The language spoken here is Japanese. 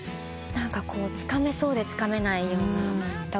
つかめそうでつかめないような歌声で。